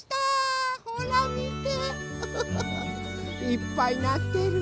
いっぱいなってる。